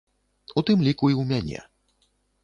У тым ліку і ў мяне.